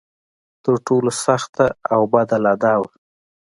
تر ټولو سخته او بده لا دا وه.